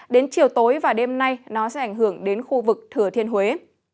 đến chiều tối và đêm nay nó sẽ ảnh hưởng đến khu vực thừa thiên huế